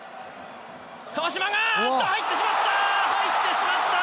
川島があっと入ってしまった！